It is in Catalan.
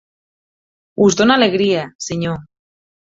Us dona alegria, senyor.